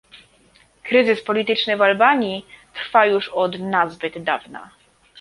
Kryzys polityczny w Albanii trwa już od nazbyt dawna